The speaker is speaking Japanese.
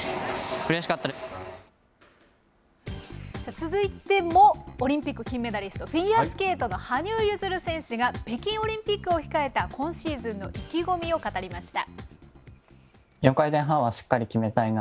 続いてもオリンピック金メダリスト、フィギュアスケートの羽生結弦選手が、北京オリンピックを控えた今シーズンの意気込みを語りました。